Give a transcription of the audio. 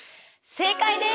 正解です！